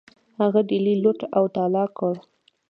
هغه ډیلي لوټ او تالا کړ.